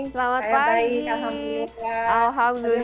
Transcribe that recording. selamat pagi alhamdulillah